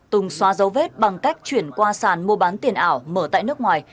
tùng xóa dấu vết bằng cách chuyển qua sàn mua bán tiền ảo mở tại nước ngoài